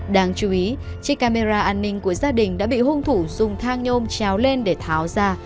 đáng chú ý chiếc camera an ninh của gia đình đã bị hung thủ dùng thang nhôm chéo lên để tháo ra